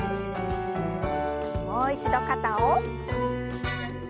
もう一度肩を。